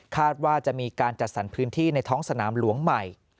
ว่าจะมีการจัดสรรพื้นที่ในท้องสนามหลวงใหม่